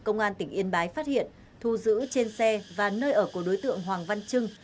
công an tỉnh yên bái phát hiện thu giữ trên xe và nơi ở của đối tượng hoàng văn trưng